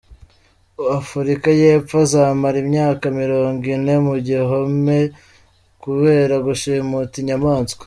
Afurika y’Epfo Azamara imyaka mirongo ine mu gihome kubera gushimuta inyamaswa